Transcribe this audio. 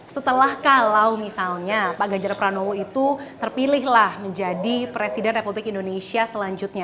setelah kalau misalnya pak ganjar pranowo itu terpilihlah menjadi presiden republik indonesia selanjutnya